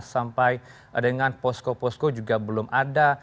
sampai dengan posko posko juga belum ada